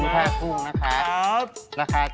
พรุอิยันนะครับ